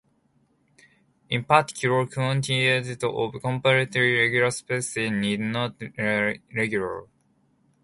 In particular, quotients of completely regular spaces need not be regular.